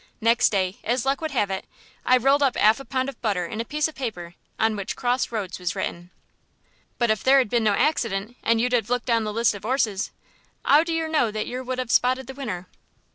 Next day, as luck would have it, I rolled up 'alf a pound of butter in a piece of paper on which 'Cross Roads' was written." "But if there had been no accident and you 'ad looked down the list of 'orses, 'ow do yer know that yer would 'ave spotted the winner?"